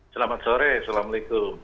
selamat sore assalamualaikum